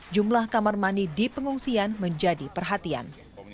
jumlah kamar mandi di pengungsian menjadi perhatian